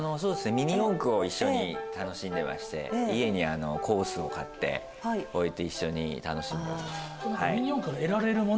ミニ四駆を一緒に楽しんでまして家にコースを買って置いて一緒に楽しんでます。